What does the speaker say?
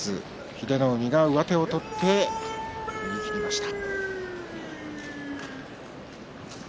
英乃海、上手を取って寄り切りました。